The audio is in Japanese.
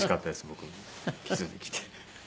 僕もキスできて。